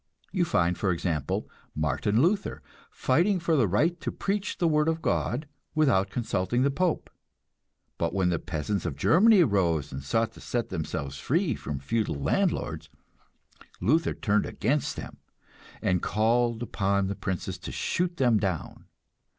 You find, for example, Martin Luther fighting for the right to preach the word of God without consulting the Pope; but when the peasants of Germany rose and sought to set themselves free from feudal landlords, Luther turned against them, and called upon the princes to shoot them down.